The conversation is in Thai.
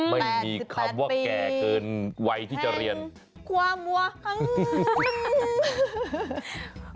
ไม่มีคำว่าแก่เกินวัยที่จะเรียนความหวัง